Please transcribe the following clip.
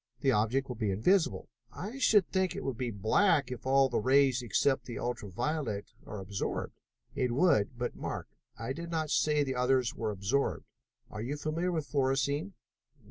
The object will be invisible." "I should think it would be black if all the rays except the ultra violet were absorbed." "It would, but mark, I did not say the others were absorbed. Are you familiar with fluorescein?"